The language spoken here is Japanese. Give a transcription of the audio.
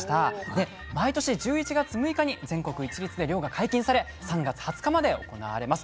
で毎年１１月６日に全国一律で漁が解禁され３月２０日まで行われます